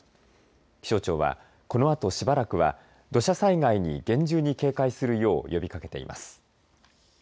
気象庁は、このあとしばらくは土砂災害に厳重に警戒するよう呼びかけています。